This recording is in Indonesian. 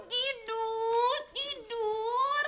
gi tidur dong tidur tidur